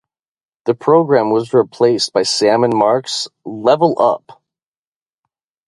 The programme was replaced by Sam and Mark's "Level Up".